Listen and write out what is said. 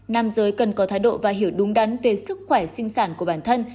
nam giới cần có thái độ và hiểu đúng đắn về sức khỏe sinh sản của bản thân